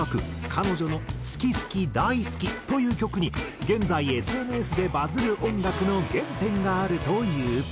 彼女の『好き好き大好き』という曲に現在ＳＮＳでバズる音楽の原点があるという。